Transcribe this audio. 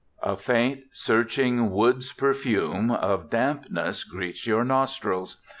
A faint, searching woods perfume of dampness greets your nostrils.